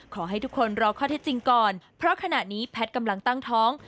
ขอให้ทุกคนรอข้อเท็จจริงก่อนเพราะขณะนี้แพทย์กำลังตั้งท้อง